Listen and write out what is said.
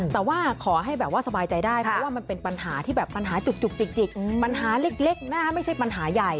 แต่ว่าขอให้แบบว่าสบายใจได้เพราะว่ามันเป็นปัญหาที่แบบปัญหาจุกจิกปัญหาเล็กนะไม่ใช่ปัญหาใหญ่